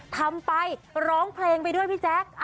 ทำไปร้องเพลงไปด้วยพี่แจ๊ค